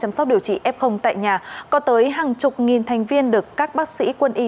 chăm sóc điều trị f tại nhà có tới hàng chục nghìn thành viên được các bác sĩ quân y